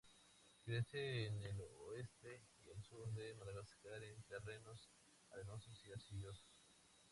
Crece en el oeste y al sur de Madagascar, en terrenos arenosos o arcillosos.